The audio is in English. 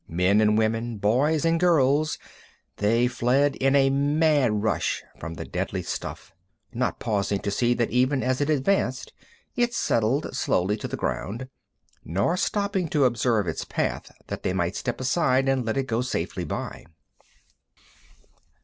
Men and women, boys and girls, they fled in a mad rush from the deadly stuff, not pausing to see that even as it advanced it settled slowly to the ground, nor stopping to observe its path that they might step aside and let it go safely by.